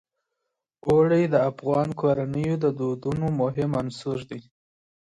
اوړي د افغان کورنیو د دودونو مهم عنصر دی.